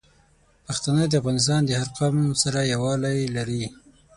پښتانه د افغانستان د هر قوم سره یوالی لري.